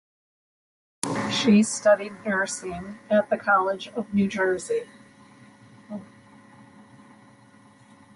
She studied nursing at The College of New Jersey.